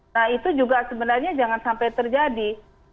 nah itu juga sebenarnya jangan sampai terjadi